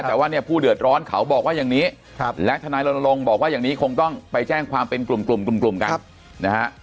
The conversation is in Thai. แต่ว่าเนี่ยผู้เดือดร้อนเขาบอกว่าอย่างนี้และทนายรณรงค์บอกว่าอย่างนี้คงต้องไปแจ้งความเป็นกลุ่มกลุ่มกันนะฮะ